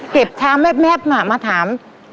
เก็บชามแม่มาถาม